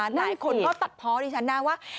หลายคนตัดเพราะดิฉัน